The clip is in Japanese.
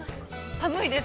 ◆寒いです。